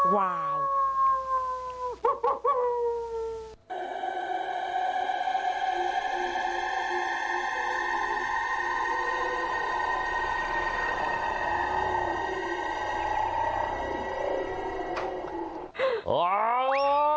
ว้าว